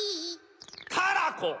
カラコ！